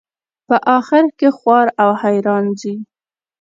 په آخر کې خوار او حیران ځي.